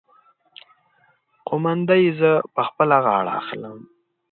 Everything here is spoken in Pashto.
قومانده يې زه په خپله غاړه اخلم.